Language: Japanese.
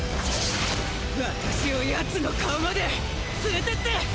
私を奴の顔まで連れてって！